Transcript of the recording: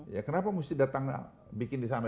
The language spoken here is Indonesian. ya kenapa mesti datang bikin di sana